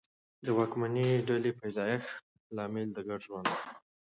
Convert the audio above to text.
د واکمنې ډلې پیدایښت لامل د ګډ ژوند و